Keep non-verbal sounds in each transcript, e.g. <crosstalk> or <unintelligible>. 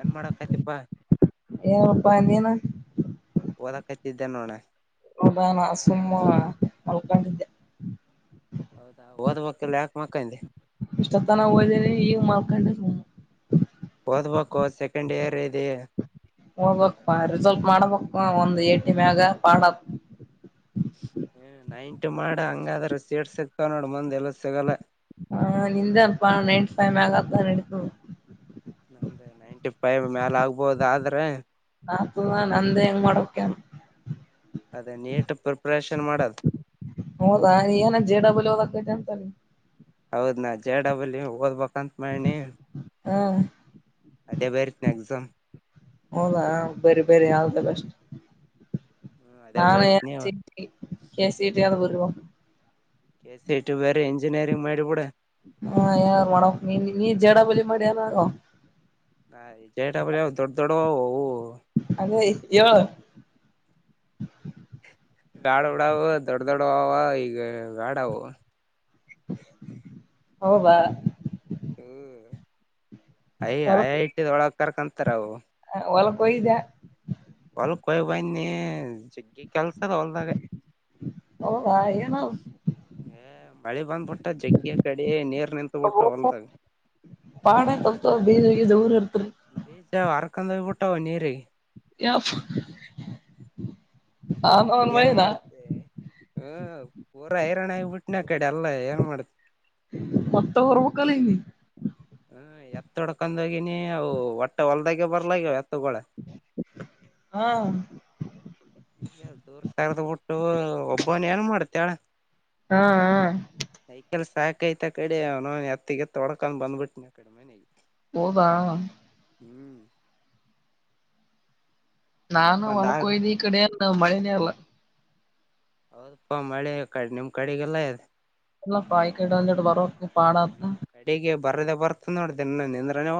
ಏನ್ ಮಾಡಕತಿಪಾ ಏಪ್ಪಾ ಎಂದಿಯ ನ ದ ಕಟ್ಟಿದ್ದ ನೋನ ಒ ಸಮ ಅಲ್ಕಂಡ ಹೌದಾ ಓದ್ಬೇಕಕ್ಕೆಲ್ಲ ಯಾಕ ಮಕ್ಕಂದೆ ಇಷ್ಟ ತನ ೋದೇನೆ ಈಗ ಮಾಡಾರ್ಕಂಡ ಸುಮ್ಮು ದಬೇಕೋಕೋ ಸೆಕೆಂಡ್ ಇಯರ್ ಇದೆ ಹೋಗ್ಬಕ್ಪ್ಪಾ ರಿಸಲ್ಟ್ ಮಾಡಬೇಕಕ್ ಒಂದ್ ಏಟಿ ಮ್ಯಾಗ ಪಾಡ ಹ್ಮ ನೈಂಟು ಮಾಡ ಹಂಗಾದ್ರ ಸೇರ್ಸಕ್ತಾವ ನೋಡ ಮಂದ್ ಎಲ್ಲ ಸಿಗಲ್ಲ ಹ ನಿಂತಪ್ಪಾ ನೈನ್ಟ ಫೈವ್ ಮಗಾತ ನಮ್ದೇ ನೈಂಟಿ ಫೈವ್ ಮೇಾಲ ಆಗ್ಬೋದ ಆದ್ರೆ ಅದುದಾ ನ ಅಂದೇ ಮಾಡಡೋಕ ಅದೇ ನೀಟ್ ಪ್ರಿಪರೇಷನ್ ಮಾಡದು ಹದಾ ಏನ ಜೆ ಡಬಲ್ ದಂತ ಹೌದ ನಾ ಜೆ ಡಬ್ಲ್ ಇ ಓದ್ಬೇಕು ಹಾ ಅದೇ ಬರಿತನಿ ಎಕ್ಸಾಮ್ ಹೌದಾ ಬರಿ ಬರಿ ಯಾವವುದ ಬೆಷ್ಟ ಹ್ಮ್ ಅದೇ ನಾನು ಬರಿತನಿ ಕಸಟಂತ ಬವ ಕೆಸ ಇಟು ಬೇರೆ ಇಂಜಿನಿಯರಿಂಗ್ ಮಾಡಿಬ ಬಿಡ ಹಾ ಯಾರು ಮಾಡ ನೀನ್ ನೀ ಜೇಡ ಬಲಿ ಮಾಡಿ ಯಾರಾರು ನಾಜಯಬ ದೊಡ್ಡ ದೊಡ ಅವ ಹ ಯವ ಗಾಡ ಡಾವ ದೊಡ್ಡ ದೊಡ್ಡ ಅವವ ಈಗ ಗಾಡವು ಹೌವಾಾ ಯ ಐ ಹೊಲಕ್ ಐಟಿಿದೊಳಗ್ ಕರ್ಕಂತರ ಅವು ಒಯ್ದ ಒ ಕ ಬ ನೀ ಜಗ್ಗಿ ಕೆಲ್ಸದ ಹೊಲ್ದಾಗ ಹೌದಾ ಏನೋ ಮಳೆ ಬಂದ್ಬಿಟ್ಟ ಜಗ್ಗ ಕಡೆ ನೀರ್ ನಿಂತಬಿಟ್ಟ ಹೊಲ್ದಾಗ ಪಾಡ ಕಲ್ತ ಬೀಜ ಗೀಜ ಊರ್ ಇರ್ತರಿ ಬ ಜರ್ ಕಂದ ಊಟ್ಟಾವ ನೀರೆ ಯ ಏನ್ ಮಾಡ್ತೆೆ ಹ ಹೈರಣಾಣ್ಯ ಆಗಿಬ ಬಿಟ್ಟನ ಕಡೆ ಅಲ್ಲ ಏನ್ ಮಾಡತ ಮತ್ತೆ ಹೊರ್ಬೇಕಕ್ಕಲ್ಲ ನಿ ತೊಡ್ಕೊಂಡೋಗನಿ ಅವು ಹೊಟ್ಟ ಹೊಲ್ದಾಗೆ ಬರ್ಲ ಹಾ ಈಗ ಅ ದೂರ್ ಸಾರದ ಬಿಟ್ಟು ಒಬ್ಬನ ಏನ್ ಮಾಡ್ತ <unintelligible> ಹಾ ಹ ಸಾಕೈತ್ ಕಡೆ ಅವ ನ ಎತ್ತಿಗೆ ಎತ್ತ ತೊಡ್ಕೊಂಡ್ ಬಂದ್ಬಿಟ್ಟಿನ ಆ ಕಡೆ ಮನೆಗೆ ಓವಾ ಹ್ಮ್ ನಾನು ಒಂದ್ ಒಲ್ ಆಗ ಕೊಯ್ದಿ ಈ ಕಡೆ ಹಾ ಮಳೆನೇ ಅಲ್ಲ ಹೌದಪ್ಪಾ ಮಳೆ ಕಡೆ ನಿಮ್ ಕಡೆಗೆಲ್ಲ ಇದೆ ಎಲ್ಲ ಪಾಯ ಇಡ ಕ್ಕೆ ಪಡ ಬರದ ಬರ್ತ ನೋಡ್ದೋ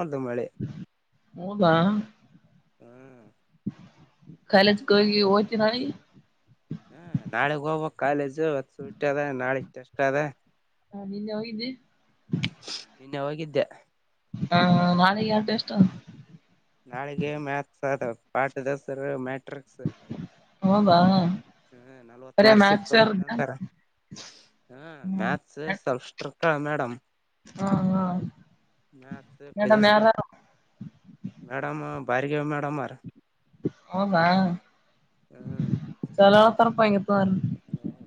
ಒಂದು ಮಳೆ ಹೌದಾ ಹ್ಮ ಕಾಲಜ ಕ ಹೋತಿ ನಾಳಿಗಿ ಹ ನಾಳಗ್ ಹೋಗ್ಬೇಕು ಕಾಲೇಜು ಹೊತ್ತು ಹುಟ್ಟದ ನಾಳೆಗ್ ಟೆಸ್ಟ್ ಅದ ಹಾ ನಿನ್ನೆ ಹೋಗಿದಿ ನಿನ್ನೆ ಹೋಗಿದ್ದೆ ಹಾ ನಾಳೆಗೆ ಯಾವ ಟೆಸ್ಟ್ ಅವ ನಾಳೆಗೆ ಮ್ಯಾಥಸ್ ಅ ಪಾಠ ದಸರ ಮ ಟ್ರಿಕ್ಸ್ ಹವಾ ಹ್ಮ ನಲ್ವತ್ ಮಾರ್ ಸಿ ಇತ್ತು ಅಂತಂದಾರ ಹ್ಮ ಹ್ಮ್ ಮ್ಯಾತ್ ಸ್ವಲ್ ಹ ಮೇಡಮ್ ಹಾ ಹಾ ಮ್ಯಾಥಸ್ ಮೇಡಮ್ ಫಿಜಿಕ್ಸ್ ಯಾರಾರು ಮೇಡಮ್ ಭಾರ್ಗವಿ ಗೇ ಮಡಮ ಹಾರ ಹೌದಾ ಹ್ಮ್ ಚಲೋ ತರಾಯಯ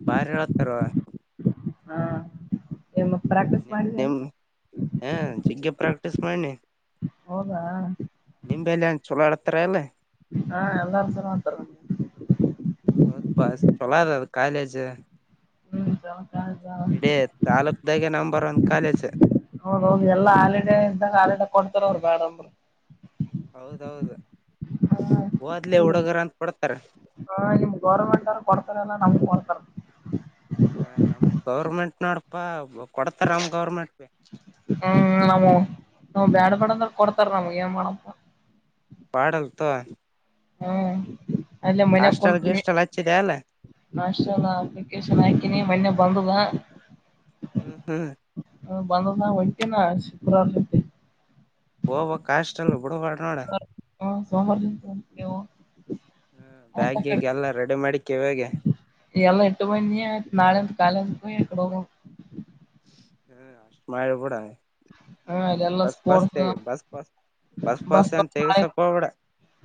ಬಾರಿ ಹೇಳತಾರವಾ ಹಾ ಏ ಮತ್ ಪ್ರಾಕ್ಟೀಸ್ ನಿಮ ನಿಮ ಮಾಡಿದೇನು ಹ ಜಗ್ಗೆ ಪ್ರಾಕ್ಟೀಸ್ ಮಾಡನಿ ಹೌದಾ ನಿಮಲೆಏ ಚಲೋ ಆಡ್ <inaudible> ಹಾ ಎಲ್ಲರ್ಸ ಮಾತರ ಹೊ ಬಸ್ ಚಲ ಕಾಲಜ ಹಿತ <unintelligible> ಇಡೀ ತಾಲೂಕ್ದಾಗೆ ನಂಬರ್ ಒನ್ ಕಾಲೇಜ ಹೌದ ಹೌದ ಎಲ್ಲಾ ಹಾಲಿಡೆ ಇದ್ದಾಗ ಹಾಲಿಡೆ ಕೊಡ್ತಾರ ಅವರು ಬ್ಯಾಡಂದ್ರ ಹೌದೌದು ಓದ್ಲಿ ನಿಮ್ ಹುಡುಗರ ಅಂತ ಕೊಡ್ತಾರ ಹಾ ನಿಮ್ ಗೌರ್ಮೆಂಟವ್ರ್ ಕೊಡ್ತಾರಲ್ಲ ನೇಮ್ಡ್ ಕೊಡ್ತಾರ ಹಾ ನಮ್ ಗೌರ್ಮೆಂಟ್ನವ್ರಪಾ ಹ್ಮ್ ನಮವು ನಮವ ಬ್ಯಾಡ ಡಂದ್ರ ಕೊಡ್ತರ ನಮಗ ಏನ್ ಮಾಡಪ್ಪ ಪಾಡಲ್ ತೋ ಹ್ಮ ಅಲ್ಲೇ ಮನ್ಯಾಗ ಕುಂತ್ನೀ ಗಿಸ್ಟೆಲ್ ಹಚ್ಚಿದೆ ಅಲ್ಲ ನಾಷ್ಟೆಲ್ಲಾ ಅಪ್ಲಿಕೇಶನ್ ಹಾಕಿನಿ ಮನ್ನೇ ಬಂದುದ ಹ್ಮ್ ಹ್ಮ್ ಬಂದದ್ ನಾ ಹೊಂಟೀನಿ ಶುಕ್ರಾರ ಜೊತಿ ಹೋಗ್ಬೇಕಾ ಹಾಸ್ಟೆಲ್ <unintelligible> ಹೂಂ ಸೋಮ್ವಾರ <unintelligible> ಹ್ಮ್ ಆಯ್ತ ಬ್ಯಾಗ್ ಆ ಕಡೆ ಗೀಗ್ ಎಲ್ಲಾ ರೆಡಿ ಮಾಡಿ ಕಿವ್ಯಾಗೆ ಎಲ್ಲ ಇಟ್ಟು ಬಂದ್ನಿ ಆಯ್ತು ನಾಳೆ ಅಂತ ಕಾಲೇಜ್ <unintelligible> ಹೂಂ ಅಷ್ಟ ಮಾಡ್ಬುಡ ಹ್ಮ ಅದೆಲ್ಲ ಸ್ಪೋರ್ಟ್ಸ್ ಬಸ್ ಪಾಸ್ ಬಸ್ ಅಂತ ಪಾಸ್ ನಾಳೆ ತೆಗಸಕ್ ಹೋಗ್ಬೇಡ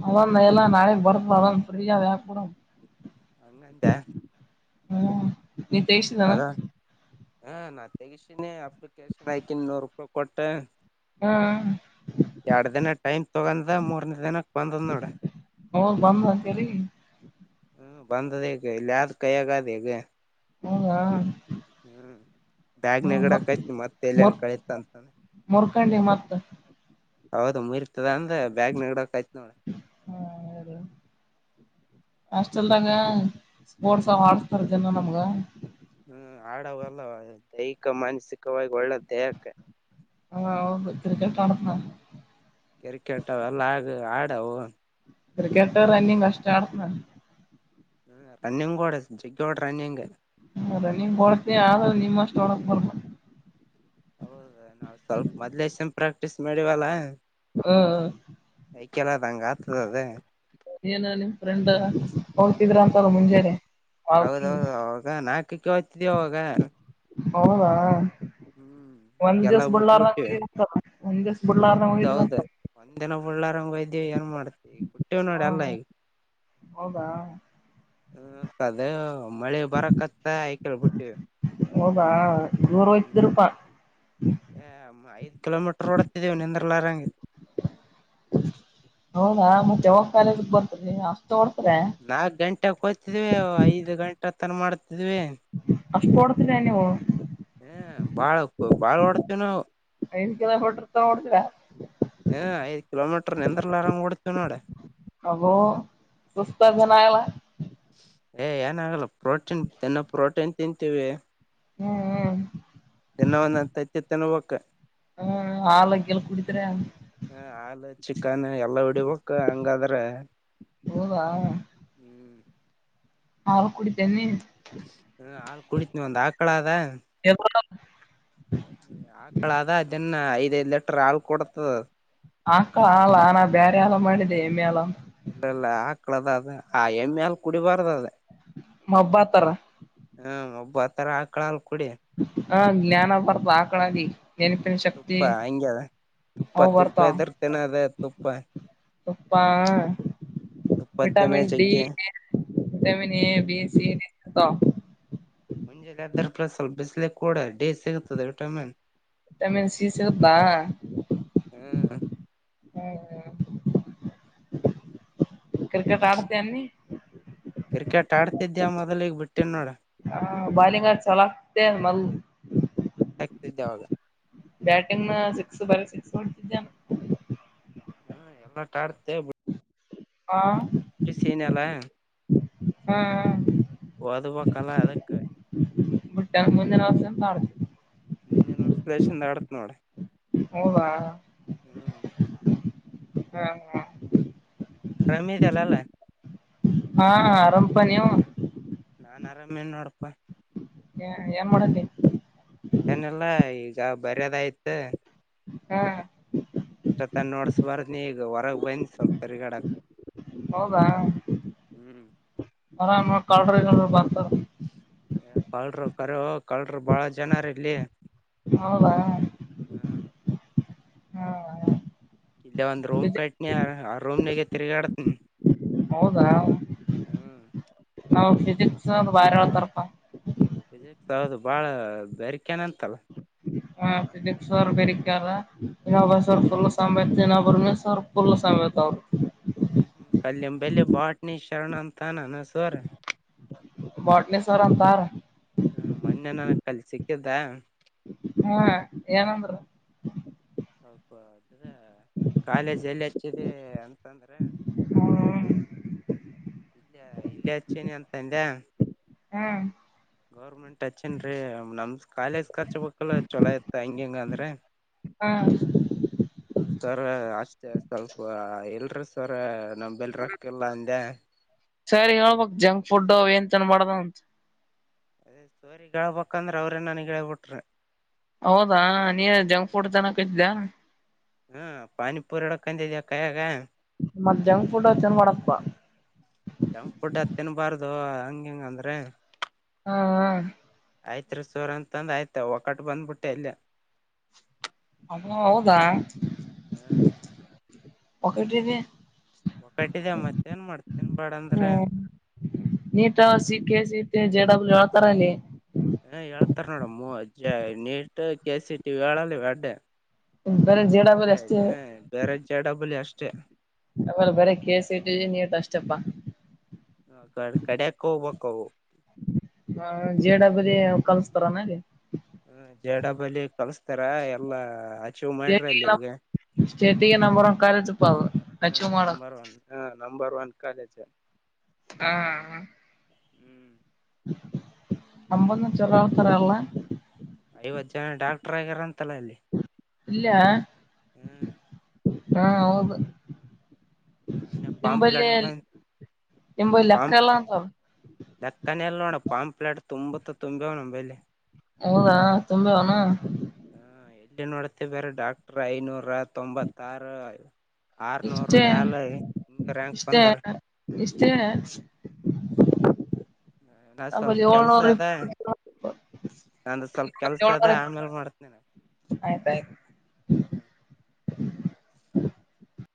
ಅವ್ನೌನ ಎಲ್ಲ ನಾಳೆಗ್ ಬರ್ತದ ಅದೊಂದ ಫ್ರೀ ಅದ <unintelligible> ಹಂಗಂದ್ಯಾ ಹ್ಮ ನೀ ತೆಗ್ಸಿದಣಾ ಹಾ ನಾ ತೆಗಸೀನಿ ಅಪ್ಲಿಕೇಶನ್ ಆಕೀನಿ ನೂರು ರೂಪಾಯಿ ಕೊಟ್ಟ ಹ್ಮ್ ಎರಡ್ ದಿನ ಟೈಮ್ ತುಗಂದ ಮೂರ್ನೇ ದಿನಕ್ ಬಂದದ್ ನೋಡ ಹೋಗ್ ಬಂದ ಅಂತೇಳಿ ಹೂಂ ಬಂದದೆೇಕೆ ಇಲ್ಹಾದ್ ಕೈಯಾಗಾದ ಈಗ ಹೌದಾ ಹ್ಮ್ ಹ್ಮ ಬ್ಯಾಗ್ನಾಗಿಡಾಕತ್ನಿ ಮತ್ತ ಎಲ್ಲನ ಕಳಿತ ಅಂತಂದ ನೀ ಮತ್ತ ಹೌದು ಮುರ್ತದ ಅಂದ್ ಬ್ಯಾಗ್ನಾಗಿಡಾಕ ನೋಡ ಹಾಷ್ಟಲ್ದಾಗ ಸ್ಪೋರ್ಟ್ಸ್ ಅವ ಆಡ್ಸ್ತಾರ ದಿನ್ನಾ ನಮ್ಗ ಹ್ಮ್ ಆಡವೆಲ್ಲ ದೈಹಿಕ ಮಾನಸಿಕವಾಗಿ ಒಳ್ಳೇದ್ ಹಾ ಹೌದ ಕ್ರಿಕೆಟ್ ಕರ್ದ್ಣ್ ಕ್ರಿಕೆಟ್ ಅವೆಲ್ಲ ಆಗ ಆಡವು ಕ್ರಿಕಟ್ ರನ್ನಿಂಗ್ ಅಷ್ಟಾಡ್ತ್ನ ಹ್ಮ ರನ್ನಿಂಗ್ ಒಡ ಜೀಗ್ಗಟ ರನ್ನಿಂಗ್ ಹ ರನ್ನಿಂಗ್ ಓಡ್ತಿ ಆದ್ರ ನಿಮ್ಮಷ್ಟು ಓಡಾಕ್ ಬರಬೇಕಲ್ಲ ಹೌದ ನಾ ಸ್ವಲ್ಪ ಮೊದ್ಲೇಶೇನ ಪ್ರಾಕ್ಟೀಸ್ ಮಾಡಿವಲ್ಲಾ ಹಾ ಕೈ ಕೆಲ್ಲ ಹಂಗ ಆತದ ಅದ ಏನ ನಿಮ್ ಫ್ರೆಂಡಾ ಹ್ಮ್ ವಾಕಿಂಗ್ ಹೌದೌಹೌದು ಅವಾಗ ನಾಲ್ಕಕ್ಕೆ ಎಳ್ತಿದ್ವಿ ಅವಾಗ ಹೌದಾ ಹ್ಮ್ ಒಂದ್ ದಿವಸ ಈಗೆಲ್ಲಾ ಬಿಡಲಾರದಂಗ ಬಿಟ್ಬಿಟ್ಟಿವಿ ಹೋಗಿದ್ರ ಒಂದ್ ದಿವಸ ಬಿಡಲಾರದಂಗೆ ಹೋಗಿದ್ರ ಹೌದೌದು ಅಂತ ಒಂದಿನ ಬಳ್ಳಾರಂಗ ವೈದ್ಯ ಏನ್ ಮಾಡುತ್ತೆ ಈಗ ಬುಟ್ಟೆ ನಡಿ ಹ ಎಲ್ಲ ಈಗ ಹೌದಾ ಹ್ಮ ಕದೇ ಮಳೆ ಬರಕ್ಕತ್ತ ಆಯಕಲ್ ಬಿಟ್ವಿ ಹೌದಾ ದೂರ ಹ್ಮ್ ಹೋಯ್ತಿದ್ರಪಾ ಹೆ ಐ ಕಿಲೋಮೀಟರ್ ಓಡುತ್ತಿದಿವಿ ನಿಂದರ ಅಲಾರಂಗ್ ಹುನವ ಮತ್ತೆ ಯಾವಾಗ ಕಾಲೇಜಕ್ ಬರ್ತದೆ ತೋಡ್ತರ ಕೋತಿದ್ವಿ ಐದು ಗಂ ತತ್ತನ್ ಮಾಡ ಇಲ್ಲಿುವೇ ಅಷ್ಟು ಕೊಡ್ತನೇ ನಿವೋ ಹ ಬಾಳ್ ಬಾಳ್ ಡ್ತೇವ ನಾವು <unintelligible> ಬಿಟ್ಟ್ರರ್ತ ನೋಡ್ತರಾ ಹ್ಮ ಐದು ಕಿಲೋಮೀಟರ್ ನಿಂದ್ರಲ ಆರಂಗ ಒಡ್ತೀವಿ ನೋಡ ಅಬೋ ಸುಸ್ತ ಜನ ಹು ಎಲ್ಲ ಏ್ ಏನ ಆಗಲ್ಲ ಪ್ರೋಟೀನ್ ತಿನ್ನ ಪ್ರೋಟೀನ್ ತಿಂತೀವಿ ಹ್ಮ್ ಹ್ಮ್ ದಿನ ಒಂದೊಂದ್ ತತ್ತಿ ತಿನ್ನಬೇಕು ಹ್ಮ್ ಹಾಲ ಗಿಲ್ ಕುಡಿತರ ಹ ಹಾಲು ಚಿಕನ್ ಎಲ್ಲ ಹೊಡಿಬಕ ಹಂಗಾದ್ರೆ ಹ್ಮ್ ಹಾಲ ಕುಡಿತಿನಿ ಹ್ಮ ಹಾಲ್ ಕುಡಿತನ ಒಂದ್ ಆಕಳ ಅದ ಐದ ಲೆಟರ್ ಹಾಲ್ ಕೊಡತದ ಆಕ್ಕಳ ಅಲ್ಲ ನಾ ಬೇರೆ ಎಲ್ಲ ಮಾಡಿದ್ದೆ ಎಮ್ಮೆ ಹಾಲ ಇಲ್ಲ ಇಲ್ಲ ಹಾಕ್ಳದ ಅದ ಆ ಹೆಮ್ಮೆ ಅಲ್ ಕುಡಿಬಾರ್ದ ಅದ ಮಬ್ಬತಾರ ಹ್ಮ ಒಬಾ ರ ಆ ಕಳ ಕುಡಿ ಹಾ ಜ್ಞಾನ ಬರ್ತು ಆಕಳಾಗಿ ಹ್ಮ ನೆನಪಿನ ಶಕ್ತಿ ತುಪ್ಪ ಹಂಗೆ ಅದ ತುಪ್ಪ ಹ ತುಪ್ಪ ಬರ್ತ ಎದ್ರ ತಿನ್ನದ ತುಪ್ಪ ತುಪ್ಪ ತುಪ್ಪ ತಿನ್ನ ವಿಟಮಿನ್ ಡಿ ಜಗ್ಗೆ vitamin A B hmm C D ಹತ್ತಾ ಸ್ವಲ್ ಬಿಸಲ ಕೂಡ ಡಿ ಸಿಗದೆ ವಿಟಮಿನ್ ತಮಿ ಸಿೀ ಸರಪಾ ಹ್ಮ್ ಕ್ರಿಕೆಟ್ ಆಡ್ತಿ ಏನ್ ನಿ ಕ್ರಿಕೆಟ್ ಆಡ್ತಿದ್ಯಾ ಮೊದಲ ಈಗ್ ಬೀಟೆನ್ ನೋಡ್ ಹ ಬಲ್ಲಿಂಗ್ ಚೊಲೋ ಅಕ್ತಿಯೆನ್ ಮೊದ್ಲ್ ಹಕ್ತಿದೆ ಅವಾಗ ಬ್ಯಾಟಿಂಗ್ ಸಿಕ್ಸ್ ಬರೀ ಸಿಕ್ಸ್ ಕೊಡತಿದ್ದಾನ ಹಾ ಎಲ್ಲ ಟಾಡ್ತೇ ಬಿ ಹಾ ಸನಲ್ಲ ಹ್ಮ್ ಹ್ಮ್ ಒದಪಾಕಲ್ಲ ಅದಕೇ ಮುಟ್ಟೆ ಮುಂದಿನಿವಸ ತಳ ಮುಂದಿನ ವರ್ಷ ಲಸಿನಿಂದ ಆಡ್ತಿನಿ ನೋಡ ಹೌದಾ ಹ್ಮ ಹಾ ಆರಾಮಿದಲ್ಲಲ್ಲ ಹಾ ಆರಾಮಪ ನೀವು ನಾನ್ ಆರಾಮೇ ನೋಡಪ್ಪ ಏನ್ ಮಾಡ್ತಿ ಏನಿಲ್ಲ ಜಾ ಬರಿಯಾದ್ ಆಯಿತೇ ಹ್ಮ್ ಇಷ್ಟೊತ್ತ ನೋಡ್ಸ್ಬಾರ ನೀಿ ಈಗ ಹೊರಗ್ ಹೋಗಿನ್ ಸ್ವಲ್ಪ ತಿರ್ಗಾಡಾಕ ಹೌದಾ ಆರಾಮ್ ಕಲ್ಡ್ರು ಗಿಲ್ಡ್ರು ಬರ್ತಾರಾ ಏ ಕಲ್ಡ್ರು ಕರೆವು ಕಲ್ಡ್ರು ಬಾಳ ಜನರ ಇಲ್ಲಿ ಹೌದಾ ಹ್ಮ್ ಹಾ ಹಾ ಇಲ್ಲ ಒಂದ್ ರೂಮ್ ಕಟ್ನಿ ಆ ರೂಮ್ ನಾಗ ತೀರಿಗಡ್ಟ್ನು ಹೌದ ಹ ಹ್ಮ್ ನಾ್ ಫಿಸಿಿಕ್ಸ್ ಒ ಬಾರ ಹಳ್ತಾರಪ್ಪ ವಿಜಯಕ್ ಹೌದು ಬಾಳ ಬೇರಿಕೆನಂತಲ್ಲ ಹಾ ಸುದೀಪ್ ಸರ್ ಬರಿಕಲ್ಲನ್ನ ಬ ಸರ್ ಫುಲ್ಲಾನ್ನ ಬರ ಸರ್ ಫು ಸತ ಅವ ಹ್ಮ್್ಮ ಕಲ್ಲಿಂಬಲ್ಲಿ ಬಾಟ್ನಿ ಶರಣ ಅಂತಾನ ಅನಸರ್ ಬಾಟ್ನೇಶ್ವರ್ ಅಂತಾರ ಹ ಮೊನ್ನೆ ನನಗ ಕಲ್ಲಿ ಸಿಕ್ಕಿದ್ದ ಹಾ ಏನಂದ್ರ ಸ್ವಲ್ಪ ಅದ್ರ ಕಾಲೇಜ್ ಎಲ್ಲಿ ಹಚ್ಚಿದೆ ಅಂತಂದ್ರ ಹ್ಮ್ ಇಲ್ಲಯ ಇಲ್ಲೇ ಹಚ್ಚನೆ ಅಂತ ಅಂದೆ ಹ್ಮ್ ಗೌರ್ಮೆಂಟ್ ಹಚ್ಚೇನ್ರಿ ನಮ್ದ್ ಕಾಲೇಜ್ ಹಚ್ಚ ಬೇಕಿಲ್ಲ ಚೊಲೋ ಇತ್ತ ಹಂಗ ಹೆಂಗ ಅಂದ್ರ ಹಾ ಸರ ಆ ಸ್ವಲ್ಪ ಎಲ್ಲ ಅಡ್ರೆಸ್ ವರ ನಮ್ಮ ಬಲ್ಲಿ ರೊಕ್ಕ ಇಲ್ಲ ಅಂದೆ ಸರಿ ಹೇಳ್ಬಕ್ ಜಂಕ್ ಫುಡ್ ಅವೇನು ತಿನ್ನಬಾಡ ದು ಅಂತ ಅದೇ ಸೋರಿ ಹೇಳ ಬೇಕಂದ್ರೆ ಅವ್ರೇ ನನಗ ಹೇಳಿಬಿಟ್ಟರು ಹೌದಾ ನೀ ಜಂಕ್ ಫುಡ್ ತನ ಹ್ಮ ಪಾನಿಪೂರಡಕ್ಕ ಮತ್ತ ಜಂಕ್ ಫುಡ್ ಚೆಂದ ಮಾಡಬೇಕಪಾ ಜಂಕ್ ಫುಡ್ ತಿನ್ನಬಾರದು ಹಂಗ ಹಿಂಗ ಅಂದ್ರೆ ಹಾ ಆಯ್ತ್ ರೀ ಸರ್ ಅಂತಂದ ಆಯ್ತು ಒಕಟ್ಟ ಬಂದ್ಬಿಟ್ಟೆ ಅಲ್ಲೇ ಹಮೊ ಹೌದಾ ಹ್ಮ್ ಪಕೆಟ ರರಿಗೆ ಒಕ್ಕಟಿದೆ ಮತ್ತೇನ್ ಮಾಡ್ತತಿ ತಿನ್ಬ್ಯಾಡ ಅಂದ್ರು ಹ್ಮ್ ಹೇಳ್ತಾರಿ ಹ ಹೇಳ್ತಾರ ನೋಡ ಅಜ್ಜೆ ನೀಟ್ ಕೆ ಸಿ ಟಿವ ವಿ ಹೇಳಲ್ಲ ಇವ ಎಡ್ದು ಬೇರೆ ಜೆ ಡಬ್ಲ್ಯೂ ಬೇರೆ ಅಷ್ಟೇ ಹ್ಮ ಬೇರೆ ಜ ಡಬಲಿ ಅಷ್ಟು ಚೆ ಅವೇಲ್ಲ ಬರೇ ಕೆ ಸಿ ಟಿ ನೀಟ್ ಅಷ್ಟೇಪ್ಪಾ ಹ ಕ ಕಡೇಕ್ಕ ಹೋಗ್ಬಕ್ಕ ಅವು ಹ ಜೆಡಬ್ಲಿಲಿ ಕಲ್ಸ್ತಾರನ ಅಲ್ಲಿ ಡಬಲಿ ಕಳಸ್ತಾರ ಎಲ್ಲಾ ಅಚೀವ್ ಮಾಡ್ರಿ ಅಲ್ಲಿ ಈಗ ಸ್ಟೇಟಿಗೆ ನಂಬರ್ ಒನ್ ಕಾಲೇಜು ಪ್ಪಾ ಅದು ಹ ಅಚೀವ್ ಮಾಡೋದು ನಂಬರ್ ಒನ್ ಹ ನಂಬರ್ ಒನ್ ಕಾಲೇಜ್ ಹಾ ಹ್ಮ್ ಅಮ್ಮಂದುನು ಚಲೋ ಅಂತಾರೆ ಎಲ್ಲಾ ಐವತ್ತು ಜನ ಡಾಕ್ಟರ್ ಆಗ್ಯಾರ ಅಂತಲ್ಲ ಅಲ್ಲಿ ಇಲ್ಲೇ ಹ ಹ್ಮ್ ಹಾ ಹೌದು ಮೊನ್ನೆ ನಿಂಬಲ್ಲಿ ಪಾಂಪ್ಲೆಟ್ ಬಂದ್ ನಿಂಬಲ್ಲಿ ಪಾಂಪ್ ಲೆಕ್ಕಿಲ್ಲ ಅಂತ ಅದು ಪಾಂಪ್ಲಲೆಟ್ ತುಂಬತ್ ತುಂಬಿವ ನಂಬಲಿ ಹೌದಾ ತುಂಬೆ ಅವನ ಹ ಎಲ್ಲಿೇ ನೋಡತ್ತೇದಿ ಡಾಕ್ಟ್ರ ಐನೂರತ್ ತೊಂಬತ್ತಾರ ಆರ್ನೂರ್ ಇಷ್ಟೇ ಮ್ಯಾಲ ಹಿಂಗ ರ್ಯಾಂಕ್ ಇಷ್ಟೇ ಬಂದಾರ ಇಷ್ಟೇ ಹ ನಾ ಆಮೇಲೆ ಸ್ವಲ್ಪ ಕೆಲ್ಸ ಏಳ್ನೂರ ಅದ ಇಪ್ಪತ್ತು ನಂದು ಸ್ವಲ್ಪ ಕೆಲ್ಸ ಅದ ಆಮೇಲೆ ಮಾಡತನಿ ನಿನಗ ಆಯ್ತಾಯ್ತು ಹ್ಮ್